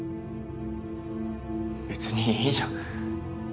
別にいいじゃん。